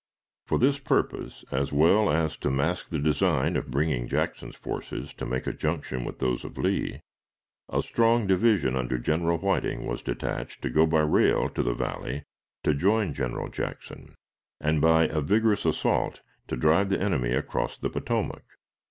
For this purpose, as well as to mask the design of bringing Jackson's forces to make a junction with those of Lee, a strong division under General Whiting was detached to go by rail to the Valley to join General Jackson, and, by a vigorous assault, to drive the enemy across the Potomac.